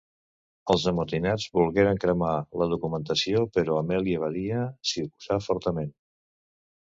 Els amotinats volgueren cremar la documentació però Amèlia Badia s’hi oposà fortament.